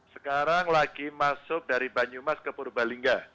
sekarang lagi masuk dari banyumas ke purbalingga